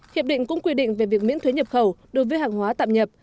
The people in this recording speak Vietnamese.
hiệp định cũng quy định về việc miễn thuế nhập khẩu đối với hàng hóa tạm nhập